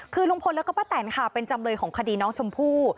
คือลุงพลแล้วก็ป้าแตนค่ะเป็นจำเลยของคดีน้องชมพู่